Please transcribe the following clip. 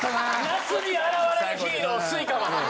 夏に現れるヒーロースイカマン！